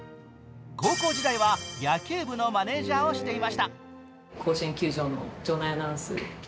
高校時代は野球部のマネージャーをしていました。